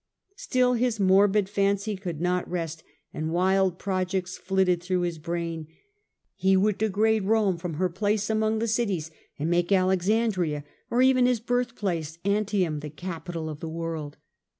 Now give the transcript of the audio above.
Still his morbid fancy could not rest, and wild projects flitted through his brain. He would degrade Rome from her place among the cities and make Alex drearna of andria, or even his birthplace, Antium, the massacre. capital of the world.